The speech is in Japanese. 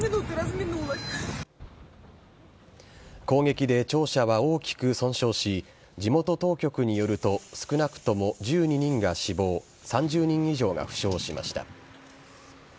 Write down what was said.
攻撃で庁舎は大きく損傷し、地元当局によると、少なくとも１２人が死亡、３０人以上が負傷しました。